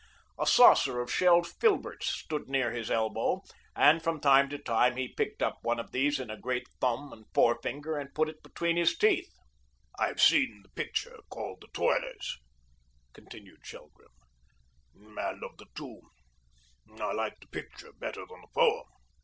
A saucer of shelled filberts stood near his elbow, and from time to time he picked up one of these in a great thumb and forefinger and put it between his teeth. "I've seen the picture called 'The Toilers,'" continued Shelgrim, "and of the two, I like the picture better than the poem."